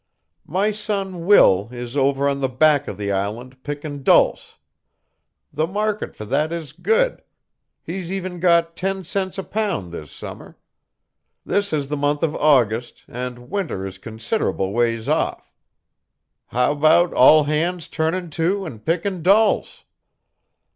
My son Will is over on the back of the island pickin' dulce. The market fer that is good he's even got ten cents a pound this summer. This is the month of August and winter is consid'able ways off. How about all hands turnin' to an' pickin' dulce?"